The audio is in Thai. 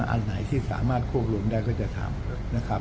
อันไหนที่สามารถควบคุมได้ก็จะทำนะครับ